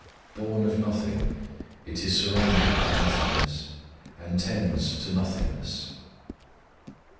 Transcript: Born of nothing, it is surrounded by nothingness, and tends to nothing ness.